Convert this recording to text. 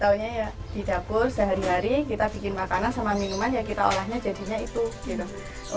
tahunya ya di dapur sehari hari kita bikin makanan sama minuman ya kita olahnya jadinya itu gitu